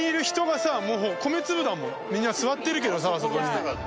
みんな座ってるけどさそこに。